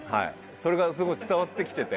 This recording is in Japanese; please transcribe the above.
それがすごい伝わってきてて。